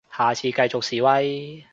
下次繼續示威